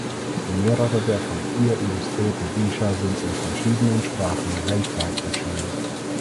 Mehrere der von ihr illustrierten Bücher sind in verschiedenen Sprachen weltweit erschienen.